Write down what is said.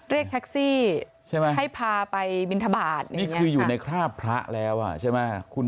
เรียกแท็กซี่ใช่ไหมให้พาไปบินทบาทนี่คืออยู่ในคราบพระแล้วอ่ะใช่ไหมคุณ